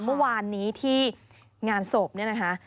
เมื่อวานนี้ที่งานศพเนี่ยนะคะ